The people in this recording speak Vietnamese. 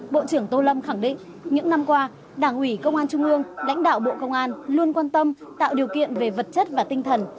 bộ trưởng tô lâm khẳng định những năm qua đảng ủy công an trung ương lãnh đạo bộ công an luôn quan tâm tạo điều kiện về vật chất và tinh thần